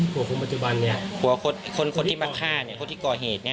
ผัวคนปัจจุบันเนี่ยผัวคนคนคนที่มาฆ่าเนี่ยคนที่ก่อเหตุเนี่ย